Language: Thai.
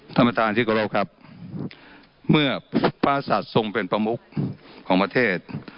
ธรรมดาอันทิกฎาวครับเมื่อภาษาทรงเป็นประมุขของประเทศ